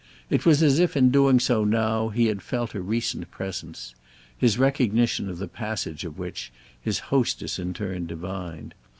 It was as if in doing so now he had felt a recent presence—his recognition of the passage of which his hostess in turn divined.